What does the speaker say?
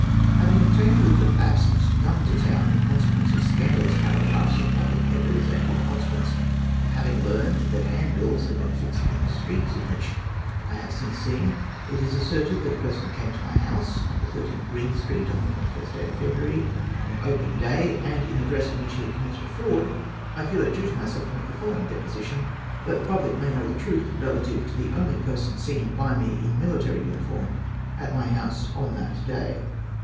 Having obtained leave of absence to come to Town, in consequence of scandalous paragraphs in the public papers, and in consequence of having learnt that hand bills had been affixed in the streets, in which (I have since seen) it is asserted that a person came to my house, No. 13 Green Street, on the 21st day of February, in open day, and in the dress in which he had committed a fraud, I feel it due to myself to make the following deposition, that the public may know the truth relative to the only person seen by me in military uniform at my house on that day.